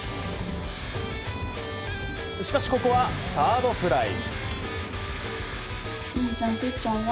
しかし、ここはサードフライ。